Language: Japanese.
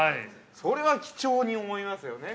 それは貴重に思いますよね。